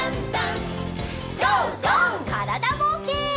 からだぼうけん。